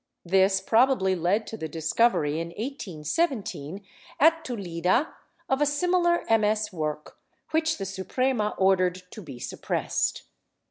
This probably led to the discovery, in 1817, ai Tudela of a similar MS. work which the Suprema ordered to be suppressed.